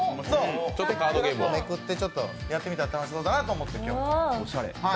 ぺらっとめくって、やってみたら楽しそうだなと思って、今日は。